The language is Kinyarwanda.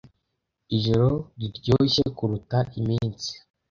ijoro riryoshye kuruta iminsi